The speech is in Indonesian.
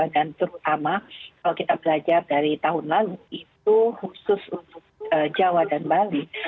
dan terutama kalau kita belajar dari tahun lalu itu khusus untuk jawa dan bali